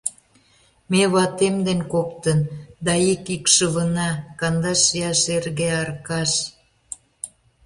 Ме — ватем ден коктын — да ик икшывына: кандаш ияш эрге, Аркаш.